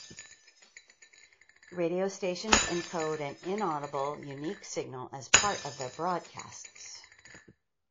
Radio stations encode an inaudible, unique signal as part of their broadcasts.